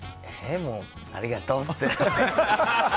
ありがとう！って。